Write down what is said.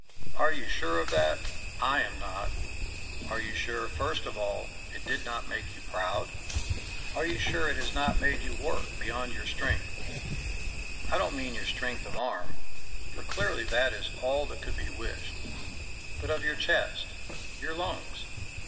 "Are you sure of that? I am not. Are you sure, first of all, it did not make you proud? Are you sure it has not made you work beyond your strength I don't mean your strength of arm, for clearly that is all that could be wished, but of your chest, your lungs?